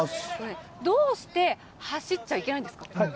どうして、走っちゃいけないんですか。